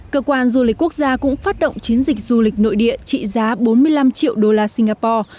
cơ quan du lịch quốc gia cũng phát động chiến dịch du lịch nội địa trị giá bốn mươi năm triệu đô la singapore